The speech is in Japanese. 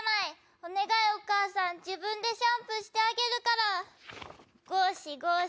お願いお母さん、自分でシャンプーしてあげるから。